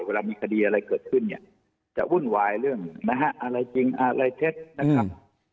เวลามีคดีอะไรเกิดขึ้นเนี่ยจะวุ่นวายเรื่องนะฮะอะไรจริงอะไรเท็จนะครับ